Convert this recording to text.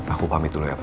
aku pamit dulu ya pa